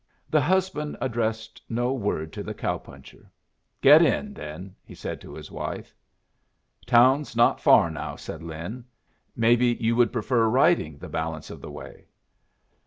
The husband addressed no word to the cow puncher "Get in, then," he said to his wife. "Town's not far now," said Lin. "Maybe you would prefer riding the balance of the way?"